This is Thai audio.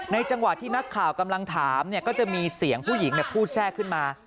จังหวะที่นักข่าวกำลังถามก็จะมีเสียงผู้หญิงพูดแทรกขึ้นมา